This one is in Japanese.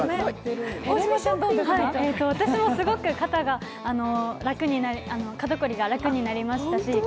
私もすごく肩こりが楽になりましたし